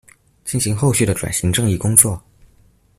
進行後續的轉型正義工作